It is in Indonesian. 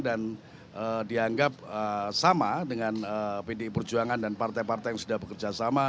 dan dianggap sama dengan pdi perjuangan dan partai partai yang sudah bekerjasama